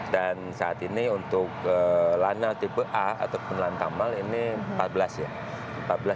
dan saat ini untuk lana tipe a atau penelan tamal ini empat belas ya